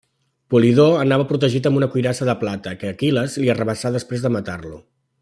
Polidor anava protegit amb una cuirassa de plata que Aquil·les li arrabassà després de matar-lo.